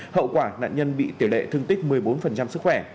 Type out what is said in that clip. hậu quả nạn nhân bị tiểu lệ thương tích một mươi bốn sức khỏe